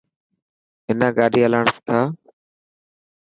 منا گاڏي هلاڻ سکا.